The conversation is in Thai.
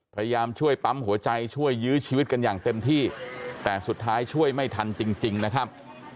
พยายามช่วยปั๊มหัวใจช่วยยื้อชีวิตกันอย่างเต็มที่แต่สุดท้ายช่วยไม่ทันจริงนะครับ